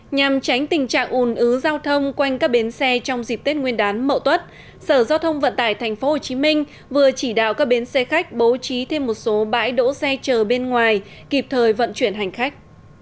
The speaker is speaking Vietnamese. nhằm tránh tình trạng ùn ứ giao thông quanh các bến xe trong dịp tết nguyên đán mậu tuất sở giao thông vận tải tp hcm vừa chỉ đạo các bến xe khách bố trí thêm một số bãi đỗ xe chờ bên ngoài kịp thời vận chuyển hành khách